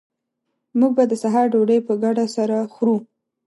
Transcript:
موږ به د سهار ډوډۍ په ګډه سره خورو